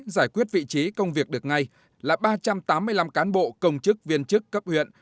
giải quyết vị trí công việc được ngay là ba trăm tám mươi năm cán bộ công chức viên chức cấp huyện